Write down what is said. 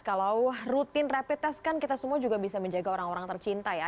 kalau rutin rapid test kan kita semua juga bisa menjaga orang orang tercinta ya